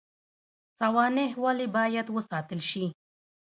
سوانح ولې باید وساتل شي؟